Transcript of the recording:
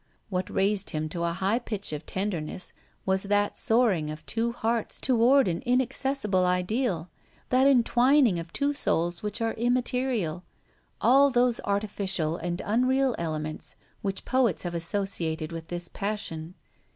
What raised him to a high pitch of tenderness was that soaring of two hearts toward an inaccessible ideal, that entwining of two souls which are immaterial all those artificial and unreal elements which poets have associated with this passion.